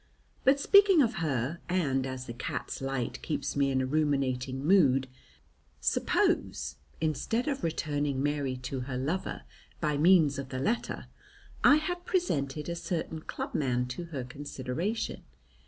But speaking of her, and, as the cat's light keeps me in a ruminating mood, suppose, instead of returning Mary to her lover by means of the letter, I had presented a certain clubman to her consideration?